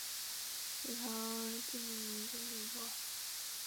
清朝定名为升平坡。